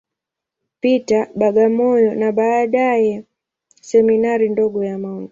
Peter, Bagamoyo, na baadaye Seminari ndogo ya Mt.